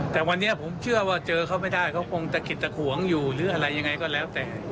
แต่วันนี้ผมเชื่อว่าเจอเขาไม่ได้เขาคงตะขิดตะขวงอยู่หรืออะไรยังไงก็แล้วแต่